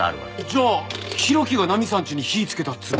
じゃあ浩喜がナミさんちに火つけたっつうの？